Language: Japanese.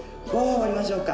終わりましょうか。